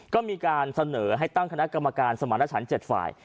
ก็มีการเสนอให้ตั้งคณะกรรมการสมรรถฉัน๗ฝ่าย